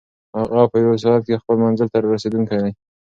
هغه په یوه ساعت کې خپل منزل ته رارسېدونکی دی.